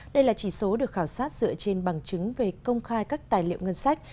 đây là chỉ số được khảo sát dựa trên bằng chứng về công khai các tài liệu ngân sách